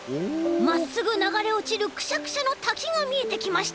まっすぐながれおちるくしゃくしゃのたきがみえてきました。